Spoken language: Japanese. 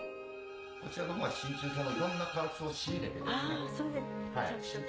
こちらの方は真鍮製のいろんなパーツを仕入れてますね。